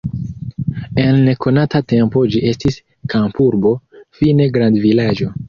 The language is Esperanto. En nekonata tempo ĝi estis kampurbo, fine grandvilaĝo.